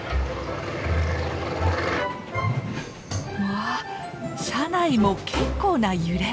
わあ車内も結構な揺れ。